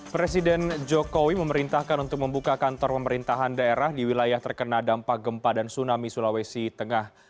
presiden jokowi memerintahkan untuk membuka kantor pemerintahan daerah di wilayah terkena dampak gempa dan tsunami sulawesi tengah